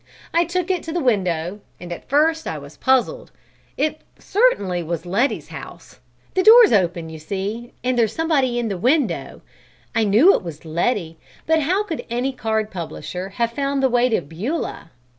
I took it to the window, and at first I was puzzled. It certainly was Letty's house. The door's open you see and there's somebody in the window. I knew it was Letty, but how could any card publisher have found the way to Beulah?